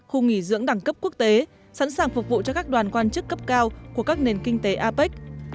khu nghỉ dưỡng đẳng cấp quốc tế sẵn sàng phục vụ cho các đoàn quan chức cấp cao của các nền kinh tế apec